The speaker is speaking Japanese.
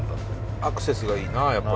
アクセスがいいなあやっぱり。